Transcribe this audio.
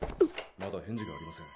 まだ返事がありません。